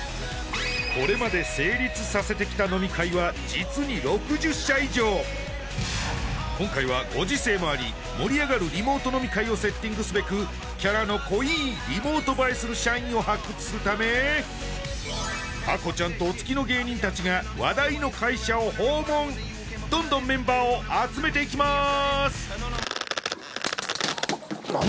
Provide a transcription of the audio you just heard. これまで成立させてきた飲み会は実に６０社以上今回はご時世もありすべくキャラの濃いリモート映えする社員を発掘するためハコちゃんとお付きの芸人達が話題の会社を訪問どんどんメンバーを集めていきます